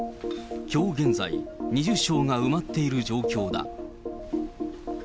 きょう現在、２０床が埋まっている状況だ。